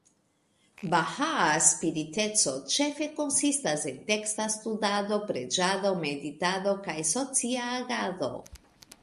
Bahaa spiriteco ĉefe konsistas el teksta studado, preĝado, meditado, kaj socia agado.